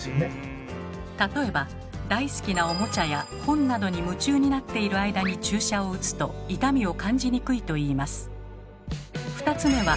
例えば大好きなおもちゃや本などに夢中になっている間に注射を打つと痛みを感じにくいといいます。